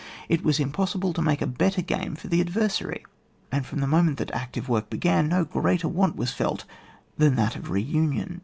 It was impossible to make a Setter game for the adTersary. And from the moment that active work began, no greater want was felt than that of re union.